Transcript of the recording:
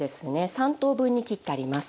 ３等分に切ってあります。